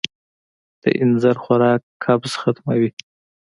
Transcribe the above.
د اینځر خوراک قبض ختموي.